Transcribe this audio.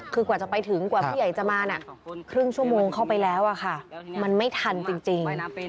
คือกว่าจะไปถึงกว่าผู้ใหญ่จะมาครึ่งชั่วโมงเข้าไปแล้วค่ะมันไม่ทันจริง